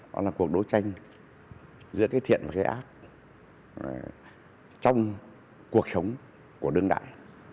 đó là cuộc đấu tranh giữa cái thiện và cái ác trong cuộc sống của đương đại